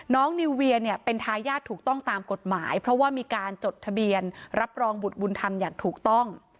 นิวเวียเนี่ยเป็นทายาทถูกต้องตามกฎหมายเพราะว่ามีการจดทะเบียนรับรองบุตรบุญธรรมอย่างถูกต้อง